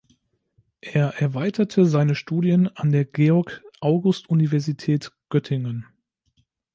Er erweiterte seine Studien an der Georg-August-Universität Göttingen.